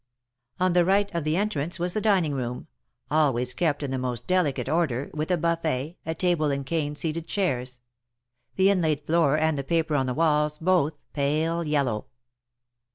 On the right of the entrance was the dining room, always kept in the most delicate order, with a buffet, a table and cane seated chairs — the inlaid floor and the paper on the walls, both pale yellow.